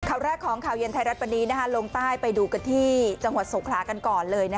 ข่าวแรกของข่าวเย็นไทยรัฐวันนี้ลงใต้ไปดูกันที่จังหวัดสงขลากันก่อนเลย